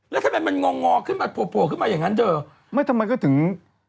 แล้วทำไมมันงองงอขึ้นมาโผล่ขึ้นมาอย่างนั้นเธอไม่ทำไมก็ถึง